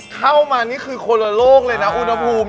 เข้ามานี่คือคนละโลกเลยนะอุณหภูมิ